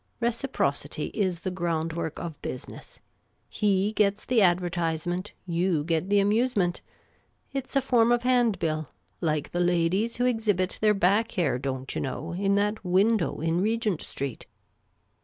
Reciprocity is the groundwork of business. He gets the advertisement ; you get the amusement. It 's a form of handbill. Like the ladies who exhibit their back hair, don't you know, in that window in Regent Street."